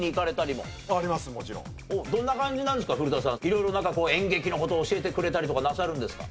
色々なんかこう演劇の事を教えてくれたりとかなさるんですか？